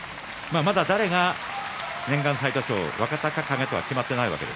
誰が年間最多勝若隆景とは決まっていません。